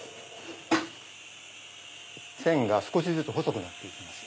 線が少しずつ細くなって行きます。